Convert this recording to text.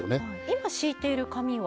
今敷いている紙は？